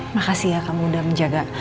makasih ya kamu udah menjaga